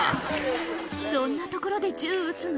そんなところで銃撃つの？